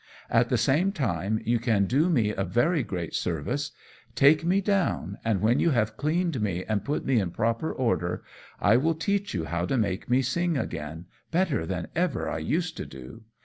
At the same time, you can do me a very great service. Take me down, and when you have cleaned me and put me in proper order, I will teach you how to make me sing again, better than ever I used to do.